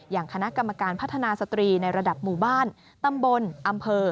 อย่างคณะกรรมการพัฒนาสตรีในระดับหมู่บ้านตำบลอำเภอ